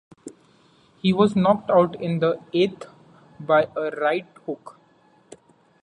He was knocked out in the eighth by a right hook.